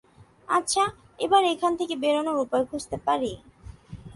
আচ্ছা, এবার এখান থেকে বেরোনোর উপায় খুঁজতে পারি?